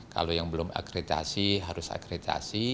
kalau yang belum akreditasi harus akreditasi